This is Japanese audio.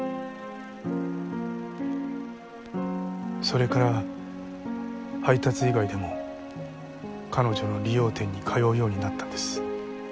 それから配達以外でも彼女の理容店に通うようになったんです。